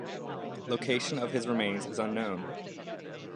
Location of his remains is unknown.